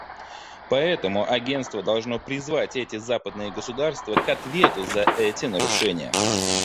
Поэтому Агентство должно призвать эти западные государства к ответу за эти нарушения.